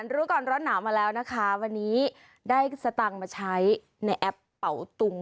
รู้ก่อนร้อนหนาวมาแล้วนะคะวันนี้ได้สตางค์มาใช้ในแอปเป่าตุง